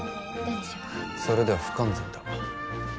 それでは不完全だ。